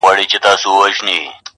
• هغه د خلکو له سترګو ځان پټ ساتي تل,